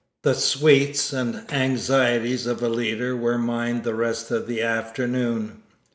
The sweets and anxieties of a leader were mine the rest of the afternoon.